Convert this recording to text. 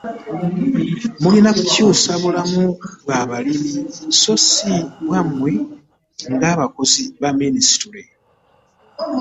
Mulina kukyusa bulamu bwa balimi so si bwammwe ng'abakozi ba minisitule